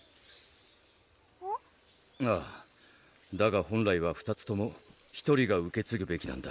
ああだが本来は２つとも１人が受けつぐべきなんだ